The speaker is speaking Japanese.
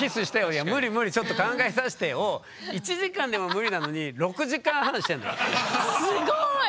「いや無理無理ちょっと考えさせてよ」を１時間でも無理なのにすごい。